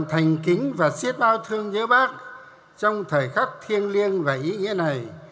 tất cả lòng thành kính và siết bao thương nhớ bác trong thời khắc thiêng liêng và ý nghĩa này